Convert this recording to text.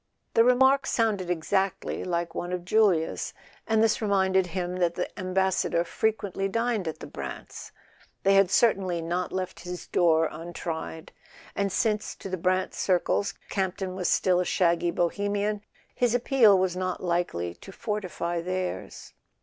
The remark sounded exactly like one of Julia's, and this reminded him that the Ambassador frequently dined at the Brants'. They had certainly not left his door untried; and since, to the Brant circles. Camp ton was still a shaggy Bohemian, his appeal was not likely to fortify theirs.